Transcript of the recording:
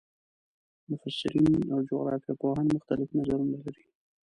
مفسرین او جغرافیه پوهان مختلف نظرونه لري.